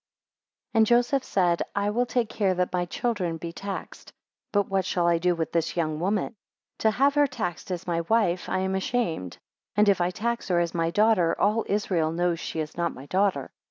2 And Joseph said, I will take care that my children be taxed; but what shall I do with this young woman? 3 To have her taxed as my wife I am ashamed; and if I tax her as my daughter, all Israel knows she is not my daughter.